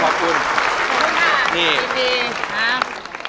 ขอบคุณค่ะดีครับ